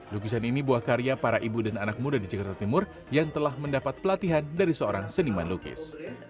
lukisan ini buah karya para ibu dan anak muda di jakarta timur yang telah mendapat pelatihan dari seorang seniman lukis